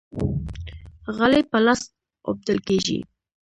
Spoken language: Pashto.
غالۍ په لاس اوبدل کیږي.